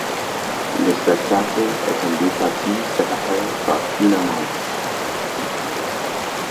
Le spectacle est en deux parties séparées par une annonce.